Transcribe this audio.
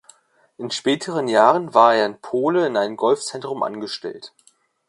In späteren Jahren war er in Poole in einem Golfzentrum angestellt.